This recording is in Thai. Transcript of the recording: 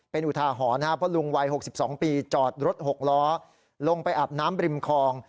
เป็นอุทาหรณ์นะครับเพราะลุงวัย๖๒ปีจอดรถ๖ล้อลงไปอาบน้ำริมคลอง